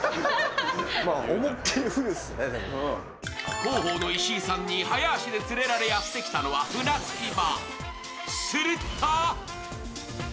広報の石井さんに早足で連れられやってきたのは船着き場。